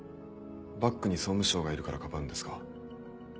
バックに総務省がいるからかばうんですか？